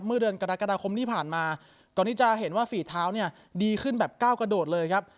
เมื่อเดือนกรกฎาคมที่ผ่านมาก่อนที่จะเห็นว่าฝีเท้าเนี่ยดีขึ้นแบบก้าวกระโดดเลยครับ